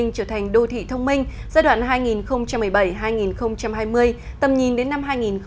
trở thành đô thị thông minh giai đoạn hai nghìn một mươi bảy hai nghìn hai mươi tầm nhìn đến năm hai nghìn ba mươi